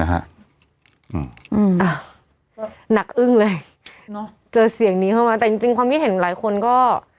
อืมอ่ะก็หนักอึ้งเลยเนอะเจอเสียงนี้เข้ามาแต่จริงจริงความคิดเห็นหลายคนก็